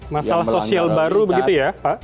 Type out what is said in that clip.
masalah sosial baru begitu ya pak